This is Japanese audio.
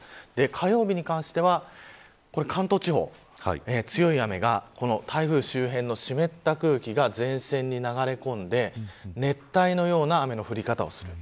火曜日に関しては関東地方、強い雨が台風周辺の湿った空気が前線に流れ込んで熱帯のような雨の降り方をする。